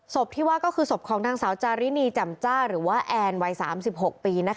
ที่ว่าก็คือศพของนางสาวจารินีจำจ้าหรือว่าแอนวัย๓๖ปี